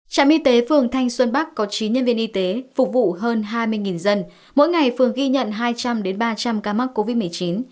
trạm y tế phường thanh xuân bắc có chín nhân viên y tế phục vụ hơn hai mươi dân mỗi ngày phường ghi nhận hai trăm linh ba trăm linh ca mắc covid một mươi chín